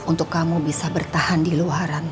untuk kamu bisa bertahan di luaran